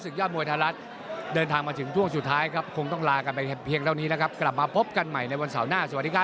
สวัสดีครับทุกคน